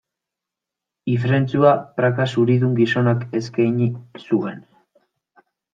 Ifrentzua praka zuridun gizonak eskaini zuen.